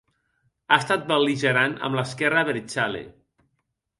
Ha estat bel·ligerant amb l’esquerra abertzale.